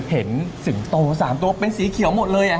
สิงโต๓ตัวเป็นสีเขียวหมดเลย